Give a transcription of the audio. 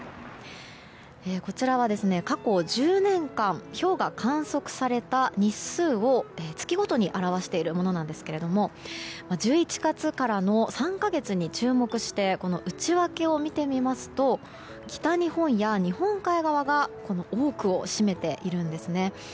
こちらは、過去１０年間ひょうが観測された日数を月ごとに表しているものなんですが１１月からの３か月に注目してこの内訳を見てみますと北日本や日本海側が多くを占めているんですね。